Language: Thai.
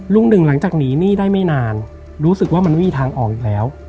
หนึ่งหลังจากหนีหนี้ได้ไม่นานรู้สึกว่ามันไม่มีทางออกอีกแล้ว